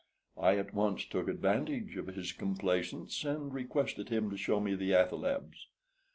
I at once took advantage of his complaisance, and requested him to show me the athalebs.